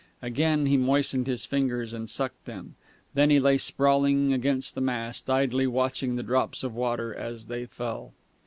Again he moistened his fingers and sucked them; then he lay sprawling against the mast, idly watching the drops of water as they fell.